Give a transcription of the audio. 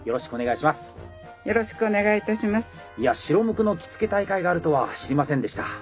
いや白無垢の着付大会があるとは知りませんでした。